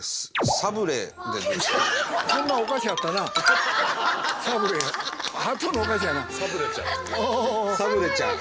サブレちゃん。